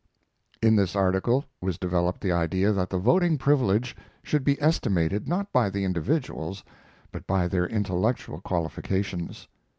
In this article was developed the idea that the voting privilege should be estimated not by the individuals, but by their intellectual qualifications.